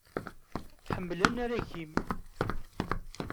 Ḥemmel anarag-im!